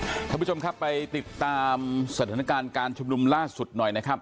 คุณผู้ชมครับไปติดตามสถานการณ์การชุมนุมล่าสุดหน่อยนะครับ